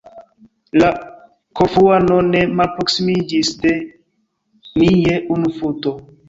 La Korfuano ne malproksimiĝis de ni je unu futo.